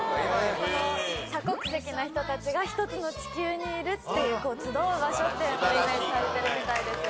多国籍な人たちが一つの地球にいるっていう集う場所っていうのをイメージされてるみたいですよ